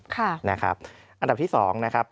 ค่ะนะครับอันดับที่๒นะครับ